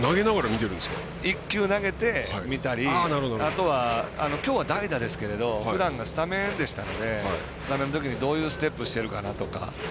１球投げて、見たりきょうは代打ですけどふだんはスタメンでしたのでスタメンのときにどういうステップしてるかなとか。